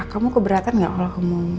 kamu keberatan gak kalau ngomong